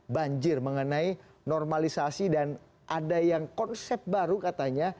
banjir mengenai normalisasi dan ada yang konsep baru katanya